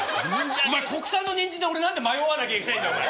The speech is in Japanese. お前国産のにんじんで俺何で迷わなきゃいけないんだお前。